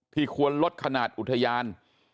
ควรลดขนาดอุทยาน